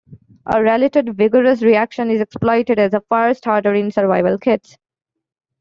A related vigorous reaction is exploited as a fire starter in survival kits.